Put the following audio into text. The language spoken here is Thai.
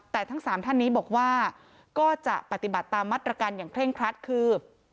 แต่ทั้งสามท่านนี้บอกว่าก็จะปฏิบัติตามมาตรการอย่างเคร่งครัดคือ